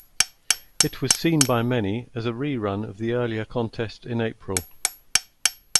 It was seen by many as a rerun of the earlier contest in April.